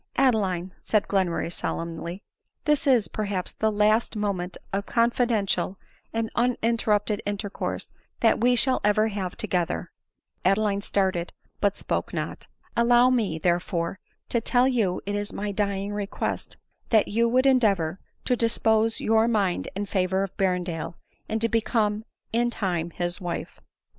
" Adeline," said Glenmurray solemnly, " this is, per haps, the last moment of confidential and uninterrupted intercourse that we shall ever have together ;" Adeline started but spoke not ;" allow me, therefore, to tell you it is my dying request, that you would endeavour to dis pose your mind in favor of Berrendale, and to become in time his wife.